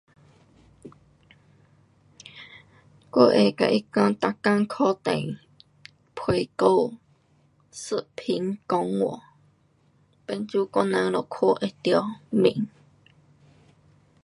我会跟他讲每天打电陪聊。视频讲话，变做我人就看得到脸。